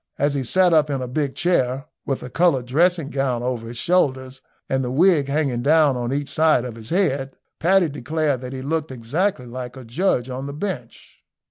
As he sat up in a big chair, with the coloured dressing gown over his shoulders, and the wig hanging down on each side of his head, Paddy declared that he looked exactly like a judge on the bench.